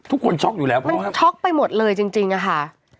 ทุกคนช็อกอยู่แล้วมันช็อกไปหมดเลยจริงอ่ะค่ะ